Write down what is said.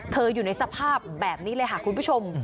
อยู่ในสภาพแบบนี้เลยค่ะคุณผู้ชม